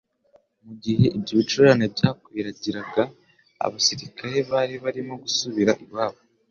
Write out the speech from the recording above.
Mu gihe ibyo bicurane byakwiragiraga, abasirikare bari barimo gusubira iwabo